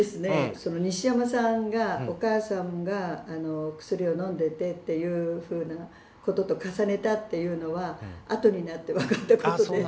その西山さんがお母さんがお薬を飲んでてっていうふうなことと重ねたっていうのはあとになって分かったことです。